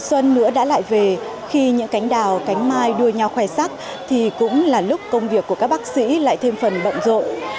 xuân nữa đã lại về khi những cánh đào cánh mai đua nhau khoe sắc thì cũng là lúc công việc của các bác sĩ lại thêm phần bận rộn